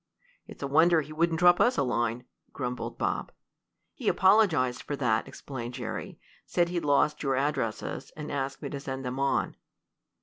"It's a wonder he wouldn't drop us a line," grumbled Bob. "He apologized for that," explained Jerry. "Said he'd lost your addresses, and asked me to send them on."